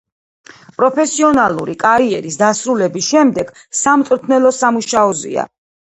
პროფესიონალური კარიერის დასრულების შემდეგ სამწვრთნელო სამუშაოზეა.